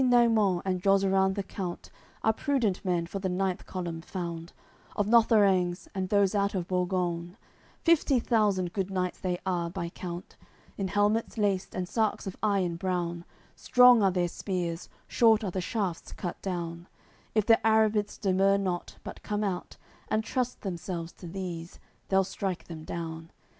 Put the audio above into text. AOI. CCXXIV Between Naimon and Jozeran the count Are prudent men for the ninth column found, Of Lotherengs and those out of Borgoune; Fifty thousand good knights they are, by count; In helmets laced and sarks of iron brown, Strong are their spears, short are the shafts cut down; If the Arrabits demur not, but come out And trust themselves to these, they'll strike them down.